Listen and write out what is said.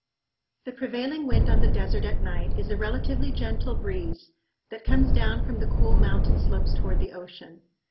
The prevailing wind on the desert at night is a relatively gentle breeze that comes down from the cool mountain slopes toward the ocean.